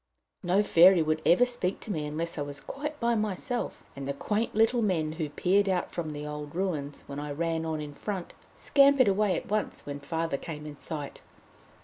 No Fairy would ever speak to me unless I was quite by myself, and the quaint little men who peered out from the old ruins when I ran on in front, scampered away at once when Father came in sight.